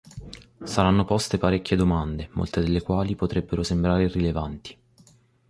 Saranno poste parecchie domande, molte delle quali potrebbero sembrare irrilevanti.